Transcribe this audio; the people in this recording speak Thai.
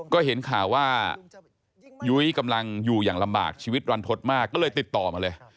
ก็เห็นข่าวว่ายุ้ยกำลังอยู่อย่างลำบากชีวิตรันทศมากก็เลยติดต่อมาเลย